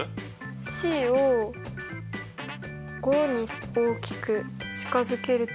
ｃを５に大きく近づけると。